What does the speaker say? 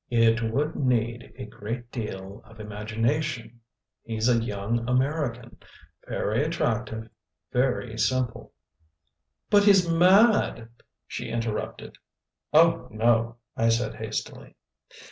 "It would need a great deal of imagination. He's a young American, very attractive, very simple " "But he's MAD!" she interrupted. "Oh, no!" I said hastily.